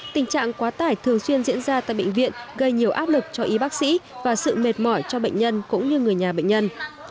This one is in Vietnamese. tình trạng quá tải thường xuyên diễn ra tại bệnh viện gây nhiều áp lực cho y bác sĩ và sự mệt mỏi cho bệnh nhân cũng như người nhà bệnh nhân